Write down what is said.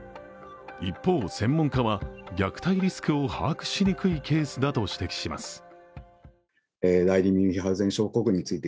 一方、専門家は、虐待リスクを把握しにくいケースだと指摘します。